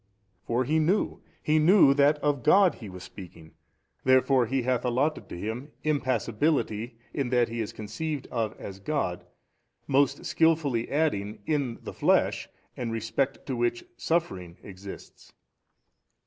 for he knew, he knew that of God was he speaking. Therefore he hath allotted to Him impassibility in that He is conceived of as God, most skilfully adding, in the flesh, in respect to which suffering exists.